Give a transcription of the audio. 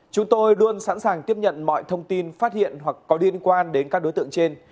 chúng tôi luôn sẵn sàng tiếp nhận mọi thông tin phát hiện hoặc có liên quan đến các đối tượng trên